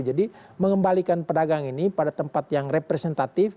jadi mengembalikan pedagang ini pada tempat yang representatif